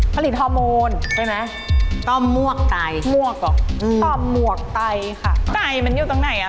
ผลิตธรรมน์ใช่ไหมต้อมววกไตต้อมววกไตค่ะใตมันอยู่ตรงไหน